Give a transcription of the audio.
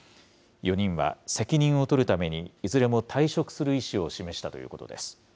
４人は責任を取るために、いずれも退職する意志を示したということです。